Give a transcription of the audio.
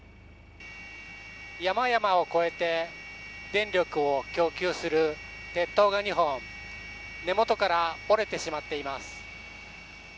山々を越えて電力を供給する鉄塔が２本根元から折れてしまっています。